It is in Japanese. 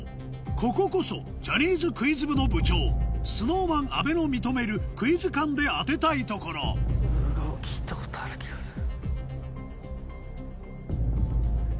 こここそジャニーズクイズ部の部長ＳｎｏｗＭａｎ・阿部も認めるクイズ勘で当てたいところヨルガオ聞いたことある気がする。